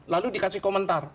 lalu dikasih komentar